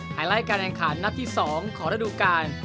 ไฮไลท์การแรงขาดนับที่๒ขอรับดูกัน